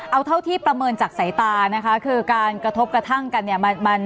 เอาเท่าที่ประเมินจากสายตานะคะคือการกระทบกระทั่งกันเนี่ย